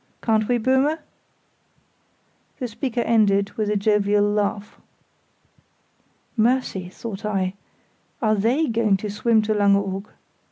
Can't we, Böhme?" The speaker ended with a jovial laugh. "Mercy!" thought I, "are they going to swim to Langeoog?"